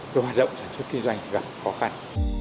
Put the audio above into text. cơ hoạt động sản xuất kinh doanh gặp khó khăn